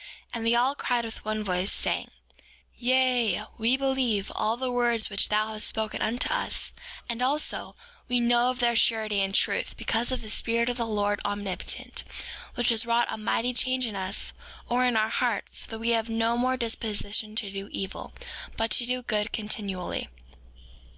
5:2 And they all cried with one voice, saying: Yea, we believe all the words which thou hast spoken unto us; and also, we know of their surety and truth, because of the Spirit of the Lord Omnipotent, which has wrought a mighty change in us, or in our hearts, that we have no more disposition to do evil, but to do good continually.